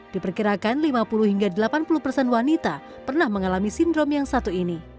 diperkirakan lima puluh hingga delapan puluh persen wanita pernah mengalami sindrom yang satu ini